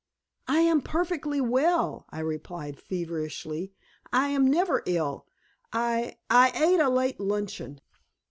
"I am perfectly well," I replied feverishly. "I am never ill. I I ate a late luncheon."